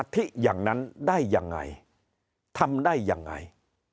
ที่อย่างนั้นได้ยังไงทำได้ยังไง